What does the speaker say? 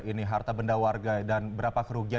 ini harta benda warga dan berapa kerugian